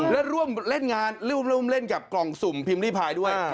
และร่วมเล่นงานร่วมเล่นกับกล่องสุ่มพิมพ์ริพายด้วย